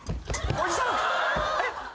おじさん何？